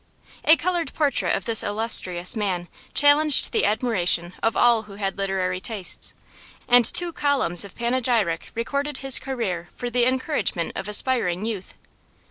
A coloured portrait of this illustrious man challenged the admiration of all who had literary tastes, and two columns of panegyric recorded his career for the encouragement of aspiring youth.